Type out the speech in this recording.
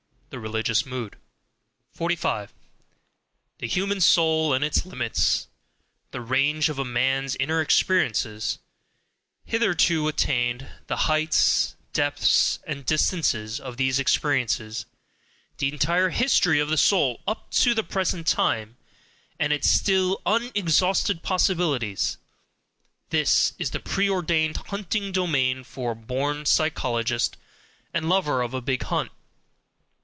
THE RELIGIOUS MOOD 45. The human soul and its limits, the range of man's inner experiences hitherto attained, the heights, depths, and distances of these experiences, the entire history of the soul UP TO THE PRESENT TIME, and its still unexhausted possibilities: this is the preordained hunting domain for a born psychologist and lover of a "big hunt".